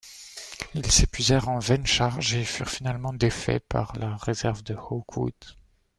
Ils s'épuisèrent en vaines charges et furent finalement défaits par la réserve de Hawkwood.